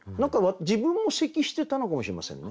自分も咳してたのかもしれませんね。